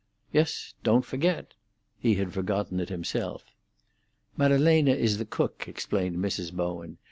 "Yes; don't forget." He had forgotten it himself. "Maddalena is the cook," explained Mrs. Bowen.